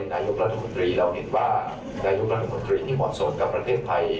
ประสานาคนใหม่สนับสนุนแคนดิเดทนายุคราติมตรีอันดับ๑กองฮ่างเพื่อนไทย